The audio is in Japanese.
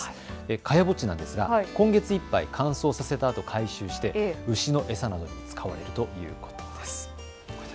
茅ボッチなんですが今月いっぱい乾燥させたあと回収して牛の餌などに使われるということです。